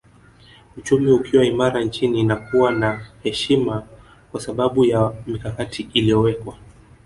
Uchumi ukiwa imara nchi inakuwa na heshima kwa sababu ya mikakati iliyowekwa